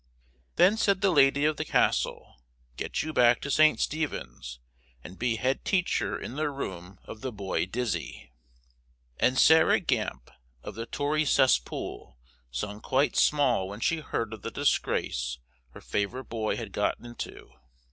Then said the Lady of the Castle, Get you back to St. Stephen's, and be head teacher in the room of the boy Dizzy. And Sarah Gamp, of the Tory cess pool, sung quite small when she heard of the disgrace her favourite boy had got into.